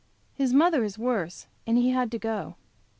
His mother is worse and he had to go.